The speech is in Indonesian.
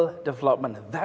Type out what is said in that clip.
pada sistem yang lebih terbaik